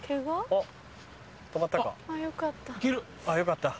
あっよかった。